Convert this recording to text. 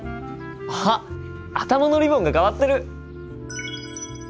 あっ頭のリボンが替わってる！